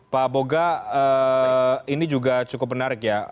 pak boga ini juga cukup menarik ya